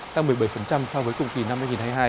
tăng một mươi bảy so với cùng kỳ năm hai nghìn hai mươi hai